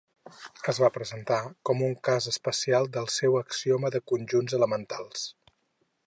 Es va presentar com un cas especial del seu axioma de conjunts elementals.